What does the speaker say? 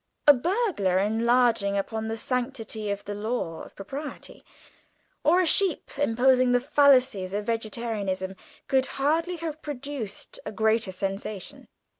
A burglar enlarging upon the sanctity of the law of property, or a sheep exposing the fallacies of vegetarianism, could hardly have produced a greater sensation.